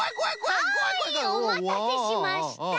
はいおまたせしました！